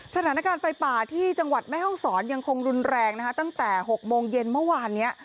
สถานการณ์ไฟป่าที่จังหวัดแม่ห้องศรยังคงรุนแรงนะคะตั้งแต่๖โมงเย็นเมื่อวานนี้